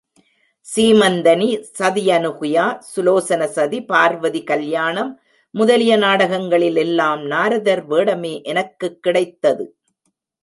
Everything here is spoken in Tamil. சீமந்தனி, சதியனுகுயா, சுலோசன சதி, பார்வதி கல்யாணம் முதலிய நாடகங்களில் எல்லாம் நாரதர் வேடமே எனக்குக் கிடைத்தது.